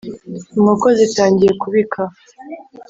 inkoko zitangiye kubika